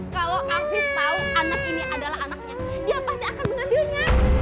kalau aku tahu anak ini adalah anaknya dia pasti akan mengambilnya